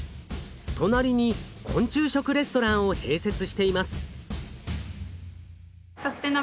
隣に昆虫食レストランを併設しています。